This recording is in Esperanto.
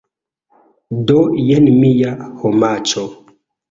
Do jen mia homaĉo.